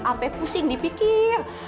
sampai pusing dipikir